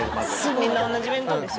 みんな同じ弁当でしょ。